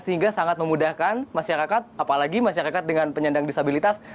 sehingga sangat memudahkan masyarakat apalagi masyarakat dengan penyandang disabilitas